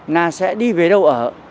là sẽ đi về đâu ở